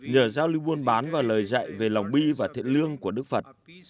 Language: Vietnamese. nhờ giao lưu buôn bán và lời dạy về lòng bi và thiện lương của đức phật